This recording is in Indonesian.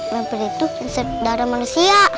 vampir itu darah manusia